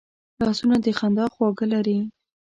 لاسونه د خندا خواږه لري